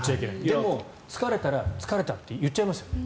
でも疲れたら疲れたって言っちゃいますよね。